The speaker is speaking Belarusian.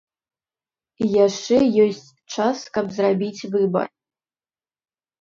Яшчэ ёсць час, каб зрабіць выбар.